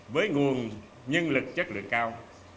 với nguồn nhân lực chất lượng cao